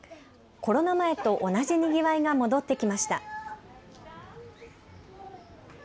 コロナ前と同じにぎわいが戻ってきました。